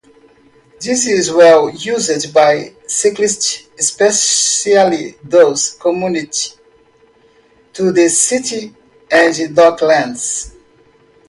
This is well-used by cyclists, especially those commuting to the City and Docklands.